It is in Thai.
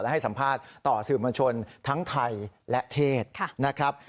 ให้สัมภาษณ์ต่อสื่อมวลชนทั้งไทยและเทศนะครับ